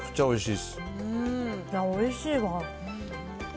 いや、おいしいわ。